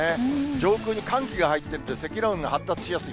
上空に寒気が入ってるんで、積乱雲が発達しやすい。